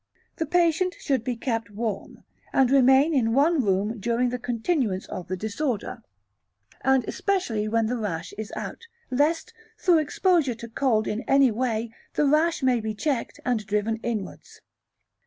The patient should be kept warm, and remain in one room during the continuance of the disorder, and especially while the rash is out, lest, through exposure to cold in any way, the rash may be checked and driven inwards.